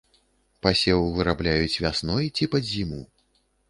Пасеў вырабляюць вясной ці пад зіму.